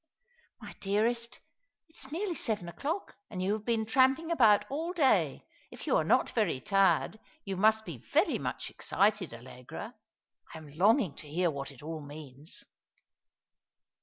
" My dearest, it is nearly seven o'clock, and you have been tramping about all day. If you are not very tired, you must be very much excited, Allegra. I am longing to hear what it all means."